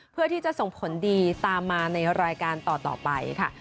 เพื่อที่จะส่งผลดีตามมาในรายการต่อไปค่ะ